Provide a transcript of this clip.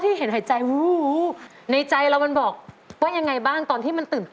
แต่ถ้าชนจะรู้ความเห็นความจิตว่าความทรงจำร้ายที่มันเชื่อ